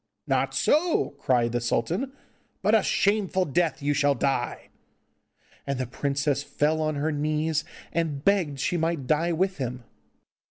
'Not so!' cried the sultan, 'but a shameful death you shall die!' And the princess fell on her knees, and begged she might die with him.